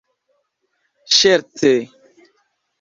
ŝerce